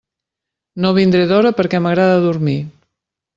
No vindré d'hora perquè m'agrada dormir.